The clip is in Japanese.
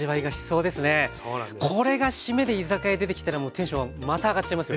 これが締めで居酒屋で出てきたらもうテンションまた上がっちゃいますよ。